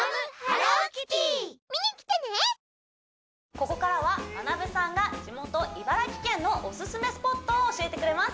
ここからはまなぶさんが地元茨城県のオススメスポットを教えてくれます